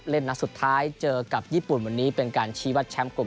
นัดสุดท้ายเจอกับญี่ปุ่นวันนี้เป็นการชี้วัดแชมป์กลุ่ม